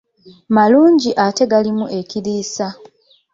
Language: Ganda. Malungi ate galimu ekiriisa